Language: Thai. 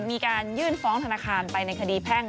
มีการยื่นฟ้องธนาคารไปในคดีแพ่ง